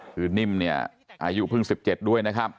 คือนิ่มเนี่ยอายุเพิ่ง๑๗ด้วยนะครับ